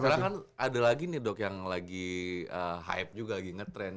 sekarang kan ada lagi nih dok yang lagi hype juga lagi ngetrend